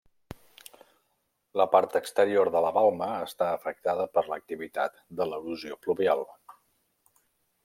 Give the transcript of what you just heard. La part exterior de la balma està afectada per l'activitat de l'erosió pluvial.